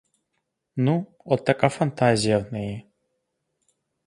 Ну, от така фантазія в неї.